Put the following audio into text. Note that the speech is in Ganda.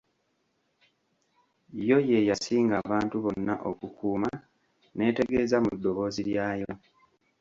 Yo ye yasinga abantu bonna okukuuma, n'etegeeza mu ddoboozi lyayo.